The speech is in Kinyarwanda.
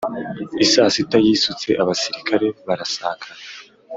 I saa sita yisutse abasirikare barasakara